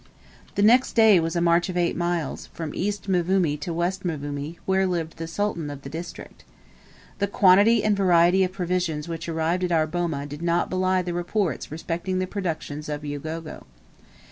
The next day was a march of eight miles, from East Mvumi to West Mvumi, where lived the Sultan of the district. The quantity and variety of provisions which arrived at our boma did not belie the reports respecting the productions of Ugogo.